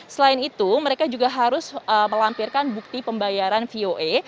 selain itu mereka juga harus melampirkan bukti pembayaran voe